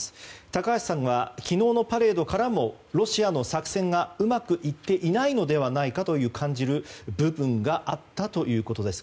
高橋さんは昨日のパレードからもロシアの作戦がうまくいっていないのではないかと感じる部分があったということです。